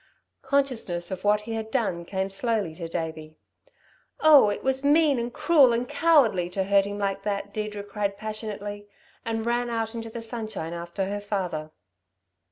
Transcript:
Consciousness of what he had done came slowly to Davey. "Oh, it was mean and cruel and cowardly to hurt him like that!" Deirdre cried passionately, and ran out into the sunshine after her father.